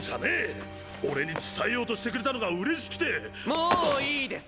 もういいです！！